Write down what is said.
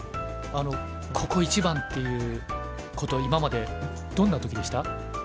ここ一番っていうこと今までどんな時でした？